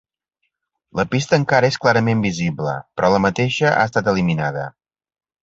La pista encara és clarament visible, però la mateixa ha estat eliminada.